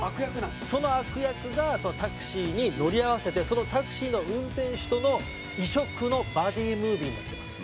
その悪役がタクシーに乗り合わせてそのタクシーの運転手との異色のバディームービーになってます。